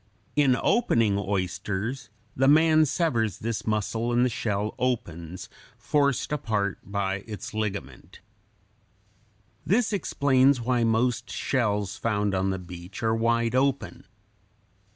In opening oysters the man severs this muscle and the shell opens, forced apart by its ligament. This explains why most shells found on the beach are wide open.